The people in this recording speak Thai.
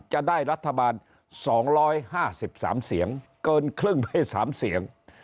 จะได้รัฐบาล๒๕๓เสียงเกินครึ่งไป๓เสียง